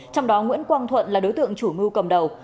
trong đó nguyễn quang thuận là đối tượng chủ mưu cầm đầu